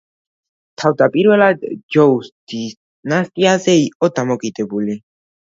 თავდაპირველად ჯოუს დინასტიაზე იყო დამოკიდებული.